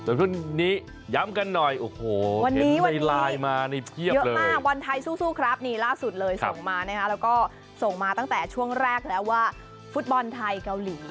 วันนี้ย้ำกันหน่อยวันนี้เยอะมากวันไทยสู้ครับนี่ล่าสุดเลยส่งมาแล้วก็ส่งมาตั้งแต่ช่วงแรกแล้วว่าฟุตบอลไทยเกาหลี